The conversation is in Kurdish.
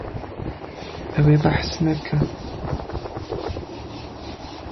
Ew ê behs neke.